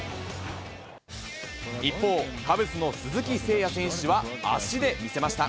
一方、カブスの鈴木誠也選手は足で見せました。